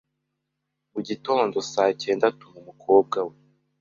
Mu gitondoSacyega atuma umukobwa we